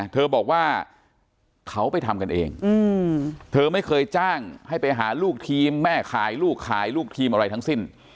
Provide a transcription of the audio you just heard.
เธอบอกว่าเขาไปทำกันเองเธอไม่เคยจ้างให้ไปหาลูกทีมแม่ขายลูกขายลูกทีมอะไรทั้งสิ้น